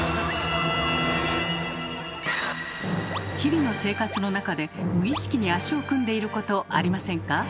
日々の生活の中で無意識に足を組んでいることありませんか？